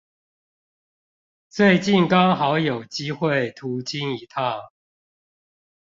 最近剛好有機會途經一趟